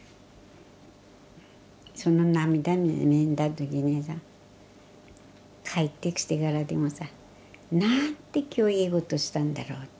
その涙見た時にさ帰ってきてからでもさなんて今日いいことしたんだろうって。